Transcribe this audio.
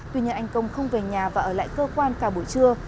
tuy nhiên anh công không về nhà và ở lại cơ quan cả buổi trưa